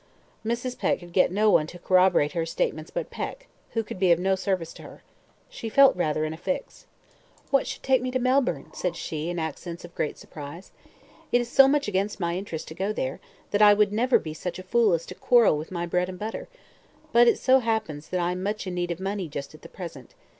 Mrs. Peck could get no one to corroborate her statements but Peck, who could be of no service to her. She felt rather in a fix. "What should take me to Melbourne?" said she, in accents of great surprise. "It is so much against my interest to go there, that I would never be such a fool as to quarrel with my bread and butter; but it so happens I am much in need of money just at the present.